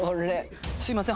すいません。